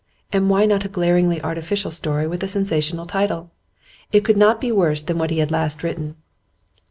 And why not a glaringly artificial story with a sensational title? It could not be worse than what he had last written.